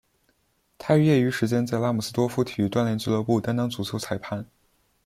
他于业余时间在拉姆斯多夫体育锻炼俱乐部担当足球裁判。